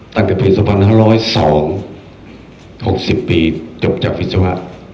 ตั้งแต่ภิษฐภัณฑ์๑๐๒๖๐ปีจบจากฟิศวะ